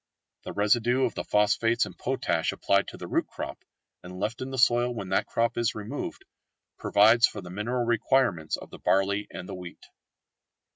The residue of the phosphates and potash applied to the root crop, and left in the soil when that crop is removed, provides for the mineral requirements of the barley and the wheat.